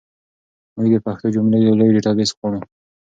موږ د پښتو جملو یو لوی ډیټابیس غواړو.